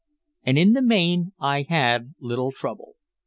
And in the main I had little trouble.